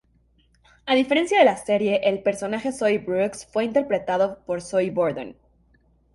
A diferencia de la serie, el personaje Zoey Brooks fue interpretado por Zoe Borden.